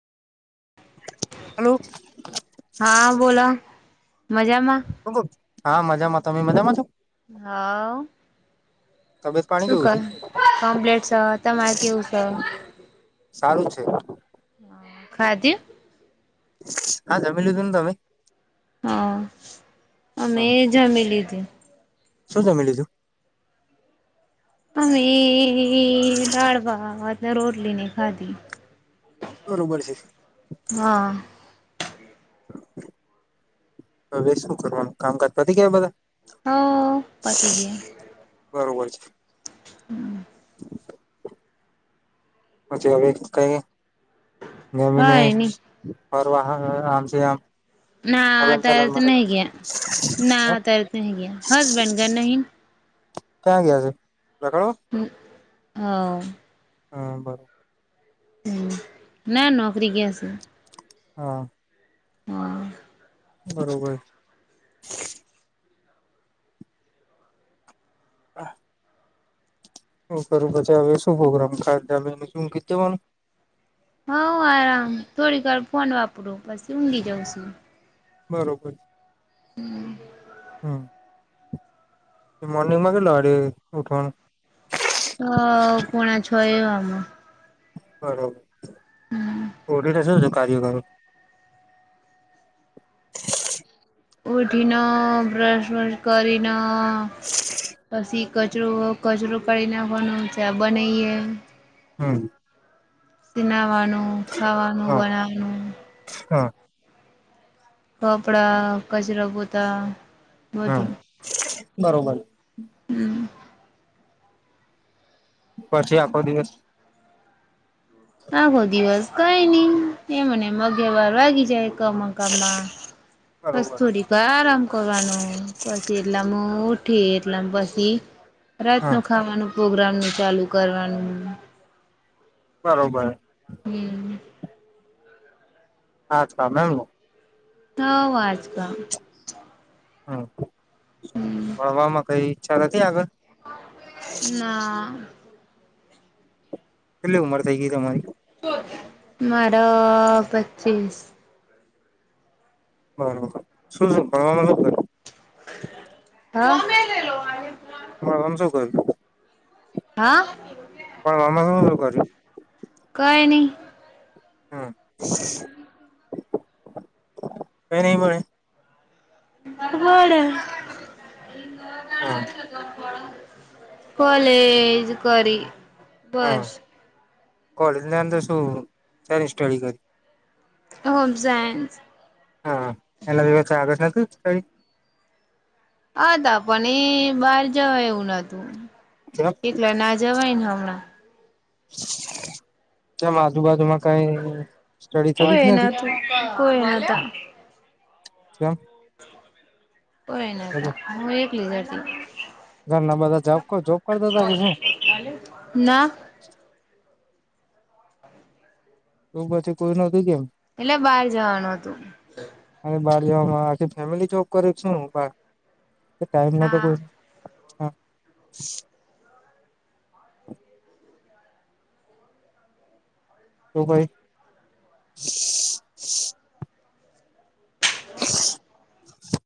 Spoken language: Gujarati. હલો. હા બોલો, મજામાં? હા, મજામાં તમેય મજામાં છો? હવ. તબિયત પાણી શું કેવું કરો? છે કોમ્પ્લેટ શ, તમાર કેવું શ? સારું જ છે. ખાધું? હા જમી લીધું, ને તમે? હા, હ અમે જમી લીધું. શું જમી લીધું? અમે એ દાળ ભાત ને રોટલી ને ખાધી. બરોબર છે. હ. હવે શું કરવાનું, કામકાજ પતી ગયા બધા? હ, પતી ગયા. બરોબર છે. હમ્મ. પછી અવે કંઈક નમીને ગયા કઈ નઈ ફરવા હા આમ છે આમ. ના, હલન ત્યારે ચલન તો માટે નહીં ગયા ના ત્યારે તો નહીં ગયા હસબન્ડ ઘર નહીં. ક્યાં ગયા છે? [unintelligible] હમ્મ, અ હ બ હમ્મ, ના નોકરી ગયા શે. હા. હા બરોબર. આ હવ ખરું પછી હવે શું પ્રોગ્રામ ખાટ ડાલીન પછી ઉઘી જ જવાનું? હા આ થોડી વાર ફોન વાપરુ પસી ઊંઘી જઉં શું. બરોબર. હમ હમ્મ, પ મોર્નિંગમાં કેટલા વાગે ઉઠવાનું? અ પોણા છો એવામાં બરોબર, હમ તો ઉઠીને શું શું કાર્ય કરો? ઉઠી ન બ્રશ વશ કરીન પસી કચરો કચરું કાઢી નાખવાનો, ચા બનાઈએ. હમ્મ. ત નાહવાનું, ખાવાનું બનાવાનું. છા. કપડાં, કચરા, પોતા હમ્મ, બધું બરોબર. હમ્મ. પછી આખો દિવસ? આખો દિવસ કઈ ની એમને એમ અગિયાર બાર વાગી જાય. કમ કામાં બરોબર વસ્તુ ડી પા આરામ કરવાનું પછી એટલામાં મુ ઉઠી એટલામાં પસી હા રાતનો ખાવાનું પ્રોગ્રામનું ચાલુ કરવાનું. બરોબર. હમ્મ. હા તાર [unintelligible] થવ આજકા હ હમ ભણવામાં કઈ ઈચ્છા નથી આગળ ના. કેટલી ઉંમર થઈ ગઈ હતી તમારી મારો પચીસ બર બર શું શું કરણવામાં શ હ [unintelligible] મરમર શું કરુ હા. [unintelligible] કર્યું કઈ ની. હા કય ની મળે હા [unintelligible] કોલેજ કરી બસ કોલેજને અંદર શું સ સ્ટડી કરી હોમઝન્સ હા એલા [unintelligible] કઈ હ ત પણ એ બહાર જવા એવું નતું કેમ એટળે ના જમયને હણા ચ માં આજુ બાજુ મા. કઈ સ્ટડી થતી જ કોઈ નથી નતું કોઈ નતા કેમ કોઈ નતા હું એકલીઝરથી ઘર ના બધા જોબ જોબ કરતા હતા કે શું ના તો પછી કોઈ નતું કેમ એટલે બહાર જવાનું હતું અને બારજાવામાં આખી ફેમિલી જોપ કરી છું ટાઈમ ના તો કોઈ [unintelligible] તો કો ઈ [unintelligible]